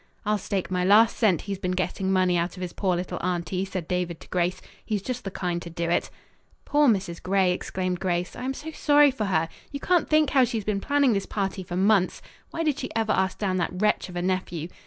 "I'll stake my last cent he's been getting money out of his poor little aunty," said David to Grace. "He's just the kind to do it." "Poor Mrs. Gray!" exclaimed Grace. "I am so sorry for her. You can't think how she's been planning this party for months. Why did she ever ask down that wretch of a nephew?